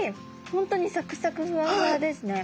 本当にさくさくふわふわですね。